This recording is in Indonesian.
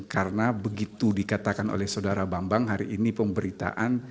karena begitu dikatakan oleh saudara bambang hari ini pemberitaan